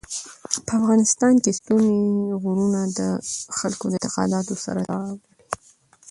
په افغانستان کې ستوني غرونه د خلکو د اعتقاداتو سره تړاو لري.